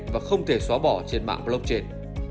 và không thể xóa bỏ trên mạng blockchain